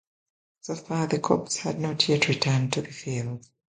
So far, the corps had not yet returned to the field.